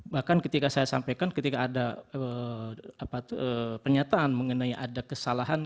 bahkan ketika saya sampaikan ketika ada pernyataan mengenai ada kesalahan